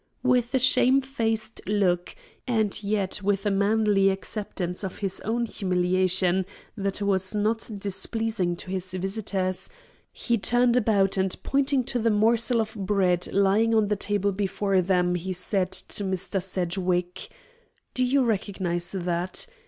With a shame faced look, and yet with a manly acceptance of his own humiliation that was not displeasing to his visitors, he turned about and pointing to the morsel of bread lying on the table before them, he said to Mr. Sedgwick: "Do you recognise that?